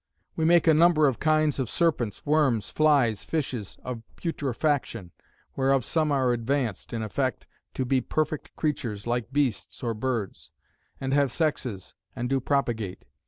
We make a number of kinds of serpents, worms, flies, fishes, of putrefaction; whereof some are advanced (in effect) to be perfect creatures, like bests or birds; and have sexes, and do propagate.